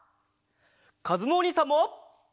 かずむおにいさんも！